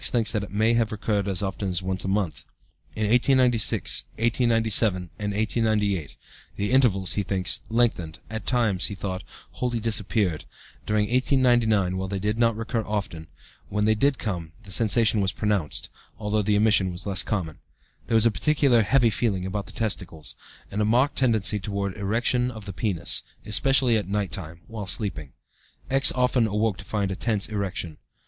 thinks that it may have recurred as often as once a month. In 1896, 1897, and 1898, the intervals, he thinks, lengthened at times, he thought, wholly disappeared. During 1899, while they did not recur often, when they did come the sensation was pronounced, although the emission was less common. There was a peculiar 'heavy' feeling about the testicles, and a marked tendency towards erection of the penis, especially at night time (while sleeping). X. often awoke to find a tense erection.